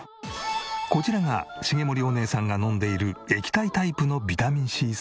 こちらが茂森おねえさんが飲んでいる液体タイプのビタミンＣサプリ。